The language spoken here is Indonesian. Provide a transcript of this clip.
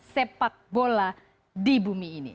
sepak bola di bumi ini